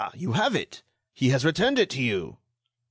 you have it! He has returned it to you!"